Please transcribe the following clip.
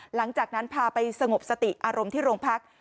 หลังจากนั้นพาไปสงบสติอารมณ์ที่โรงพัก